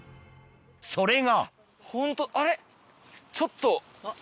それがホントあれちょっと。